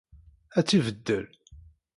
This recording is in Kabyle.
Ad tt-ibeddel.